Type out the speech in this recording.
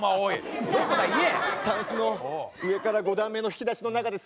タンスの上から５段目の引き出しの中です。